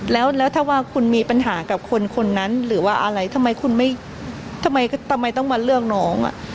แล้วถ้าว่าคุณมีปัญหากับคนคนนั้นหรือว่าอะไรทำไมคุณไม่ทำไมต้องมาเลือกน้อง